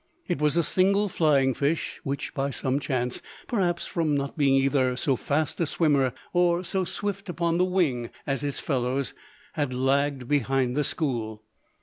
It was a single flying fish, which by some chance, perhaps from not being either so fast a swimmer or so swift upon the wing as its fellows, had lagged behind the "school."